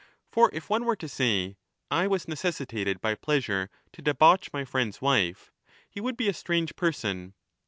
For if one were to say ' I was necessitated by pleasure to debauch my friend's wife ', he would be a strange person.